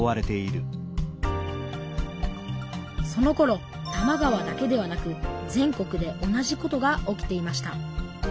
そのころ多摩川だけではなく全国で同じことが起きていました。